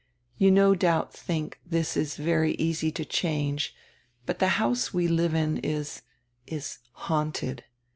You no doubt tiiink tiiis very easy to change, but die house we live in is — is haunted.